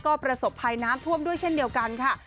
ก็ประสบภัยน้ำท่วมด้วยเช่นเดียวกันค่ะ